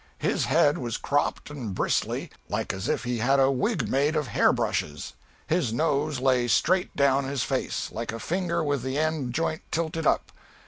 His head was cropped and bristly, like as if he had a wig made of hair brushes. His nose lay straight down his face, like a finger with the end joint tilted up.